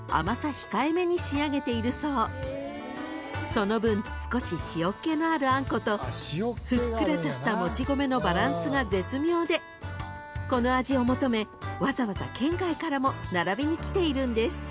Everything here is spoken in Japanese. ［その分少し塩っ気のあるあんことふっくらとしたもち米のバランスが絶妙でこの味を求めわざわざ県外からも並びに来ているんです］